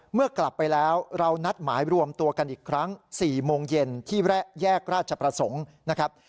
เมื่อกลับไปแล้วเรานัดหมายรวมตัวกันอีกครั้ง๔โมงเย็นที่แยกราชประสงค์นะครับ